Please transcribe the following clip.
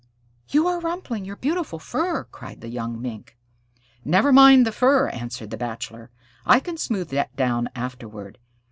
"You are rumpling your beautiful fur," cried the young Mink. "Never mind the fur," answered the Bachelor. "I can smooth that down afterward.